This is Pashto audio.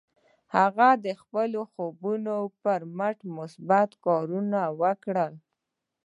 هغه د خپلو خوبونو پر مټ مثبت کارونه وکړل